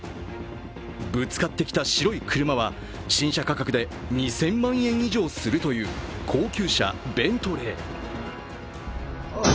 ぶつかってきた白い車は新車価格で２０００万円以上するという高級車ベントレー。